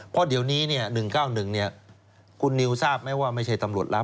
เพราะเดี๋ยวนี้๑๙๑คุณนิวทราบไหมว่าไม่ใช่ตำรวจรับ